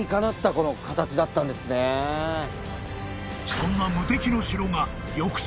［そんな］